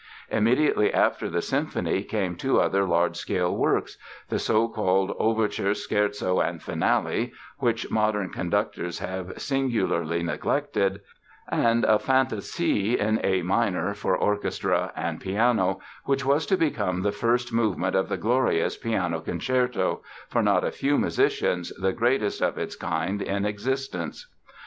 Immediately after the symphony came two other large scale works—the so called "Overture, Scherzo and Finale" (which modern conductors have singularly neglected) and a Phantasie in A minor, for orchestra and piano, which was to become the first movement of the glorious Piano Concerto—for not a few musicians the greatest of its kind in existence!